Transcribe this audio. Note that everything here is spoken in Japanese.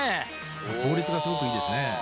効率がすごくいいですね